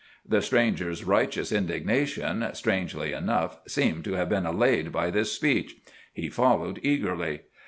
The stranger's righteous indignation, strangely enough, seemed to have been allayed by this speech. He followed eagerly.